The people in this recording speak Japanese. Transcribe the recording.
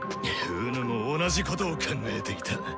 己も同じことを考えていた。